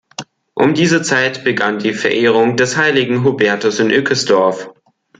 Um diese Zeit begann die Verehrung des heiligen Hubertus in Ückesdorf.